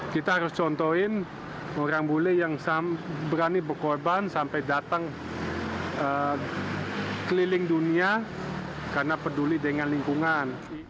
kita harus contohin orang bule yang berani berkorban sampai datang keliling dunia karena peduli dengan lingkungan